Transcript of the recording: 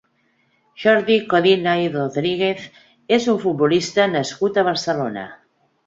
Jordi Codina i Rodríguez és un futbolista nascut a Barcelona.